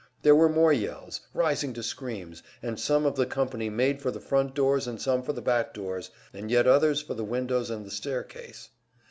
There were more yells, rising to screams, and some of the company made for the front doors, and some for the back doors, and yet others for the windows and the staircase.